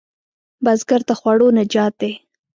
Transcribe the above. بزګر د خوړو نجات دی